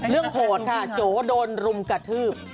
เรื่องโหดค่ะโจ๊ก็โดนลุมกระทืบ